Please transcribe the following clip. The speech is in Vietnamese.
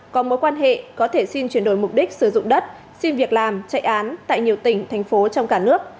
có mối quan hệ có thể xin chuyển đổi mục đích sử dụng đất xin việc làm chạy án tại nhiều tỉnh thành phố trong cả nước